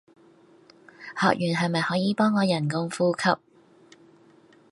學完係咪可以幫我人工呼吸